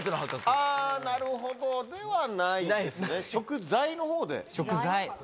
あぁなるほどではないですね食材の方で。